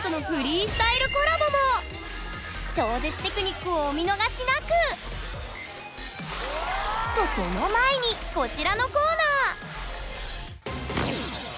超絶テクニックをお見逃しなく！とその前にこちらのコーナー！